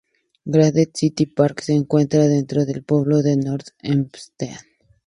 Garden City Park se encuentra dentro del pueblo de North Hempstead.